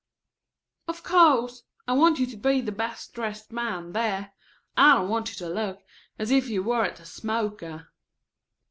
"Of course. I want you to be the best dressed man there. I don't want you to look as if you were at a smoker."